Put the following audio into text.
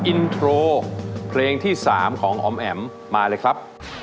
อินโทรเพลงที่๓ของออมแอ๋มมาเลยครับ